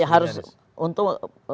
ya harus untuk